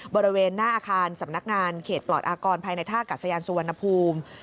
บริเวณหน้าอาคารสำนักงานเขตปลอดอากรภายในท่ากัศยานสุวรรณภูมิ